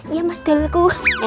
ya mas deliku